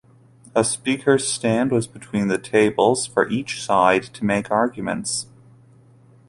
A speaker's stand was between the tables for each side to make arguments.